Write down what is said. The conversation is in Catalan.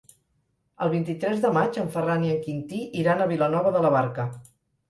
El vint-i-tres de maig en Ferran i en Quintí iran a Vilanova de la Barca.